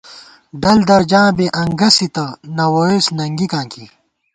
ڈل درجاں بی انگَسِتہ ، نہ ووئیس ننگِکاں کی